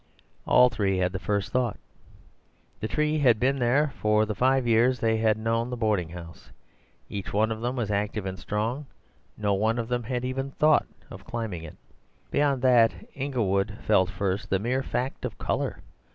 All three had the first thought. The tree had been there for the five years they had known the boarding house. Each one of them was active and strong. No one of them had even thought of climbing it. Beyond that, Inglewood felt first the mere fact of colour.